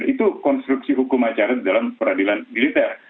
itu konstruksi hukum acara di dalam peradilan militer